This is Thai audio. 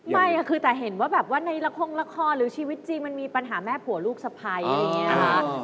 ไม่แต่เห็นว่าแบบว่าในโครงละครหรือชีวิตจริงมันมีปัญหาแม่ผัวลูกสะพายอย่างเงี่ย